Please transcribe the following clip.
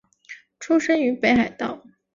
出身于北海道。